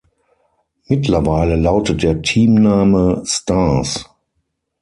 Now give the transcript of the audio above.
Mittlerweile lautet der Teamname Stars.